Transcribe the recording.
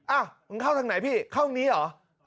มึงเข้าทางไหนพี่เข้านี้เหรอ